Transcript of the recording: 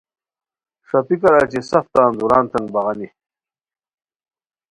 ݰاپیکار اچی سف تان دُورانتین بغانی